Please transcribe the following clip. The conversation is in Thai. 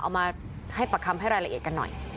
เอามาให้ประคำให้รายละเอียดกันหน่อย